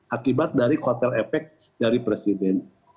akibat dari kotel efek dari presiden